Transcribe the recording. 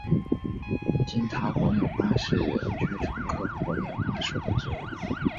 金塔火焰花是爵床科火焰花属的植物。